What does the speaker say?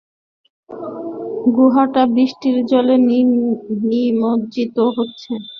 গুহাটা বৃষ্টির জলে নিমজ্জিত হচ্ছে।